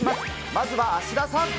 まずは芦田さん。